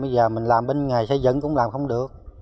bây giờ mình làm bên nghề xây dựng cũng làm không được